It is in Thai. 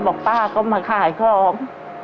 ป้าก็มาขายของ